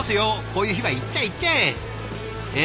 こういう日はいっちゃえいっちゃえ！